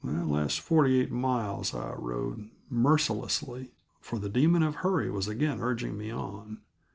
That last forty eight miles I rode mercilessly for the demon of hurry was again urging me on.